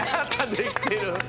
できてる。